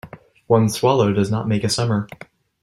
One swallow does not make a summer.